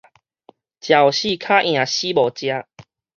食予死較贏死無食